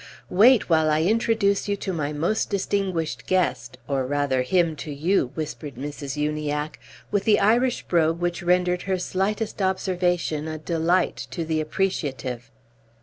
"Wait while I introduce you to my most distinguished guest, or rawther him to you," whispered Mrs. Uniacke, with the Irish brogue which rendered her slightest observation a delight to the appreciative.